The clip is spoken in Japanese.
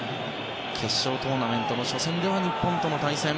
決勝トーナメントの初戦では日本との対戦。